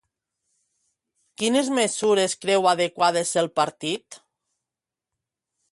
Quines mesures creu adequades el partit?